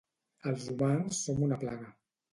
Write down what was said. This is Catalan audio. Els humans som una plaga.